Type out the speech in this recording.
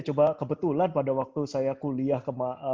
coba kebetulan pada waktu saya kuliah ke